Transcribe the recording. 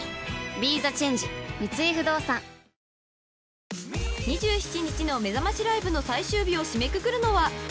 ＢＥＴＨＥＣＨＡＮＧＥ三井不動産［２７日のめざましライブの最終日を締めくくるのは］